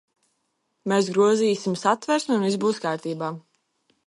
Mēs grozīsim Satversmi, un viss būs kārtībā.